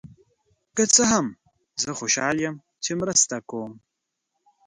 که څه هم، زه خوشحال یم چې مرسته کوم.